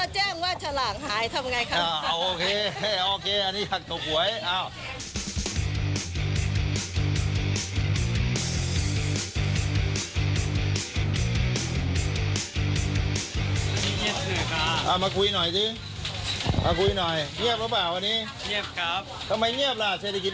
ใช่ค่ะ